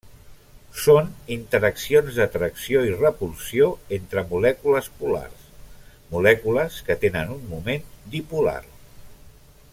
Són interaccions d'atracció i repulsió entre molècules polars, molècules que tenen un moment dipolar.